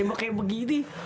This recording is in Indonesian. nembak kayak begini